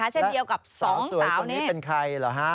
เช่นเดียวกับสองสาวนี้สาวสวยตรงนี้เป็นใครเหรอฮะ